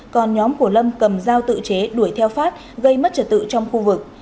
còn nhóm của lâm cầm dao tự chế đuổi theo phát gây mất trật tự trong khu vực